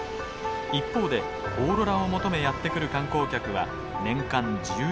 一方でオーロラを求めやって来る観光客は年間１２万人にも及びます。